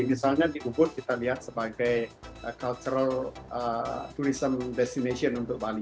misalnya di ubud kita lihat sebagai cultural tourism destination untuk bali